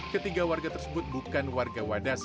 ketiga warga tersebut bukan warga wadas